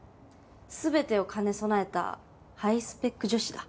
全てを兼ね備えたハイスペック女子だ。